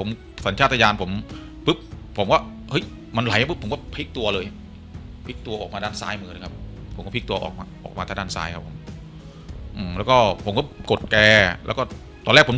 มันไหลมันก็พลิกตัวเลยออกมาด้านซ้ายมือนะครับโปรดแล้ว